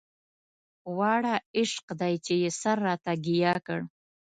واړه عشق دی چې يې سر راته ګياه کړ